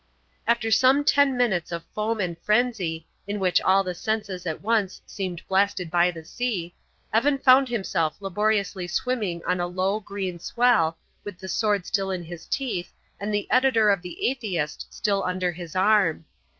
After some ten minutes of foam and frenzy, in which all the senses at once seemed blasted by the sea, Evan found himself laboriously swimming on a low, green swell, with the sword still in his teeth and the editor of The Atheist still under his arm.